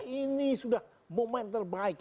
ini sudah momen terbaik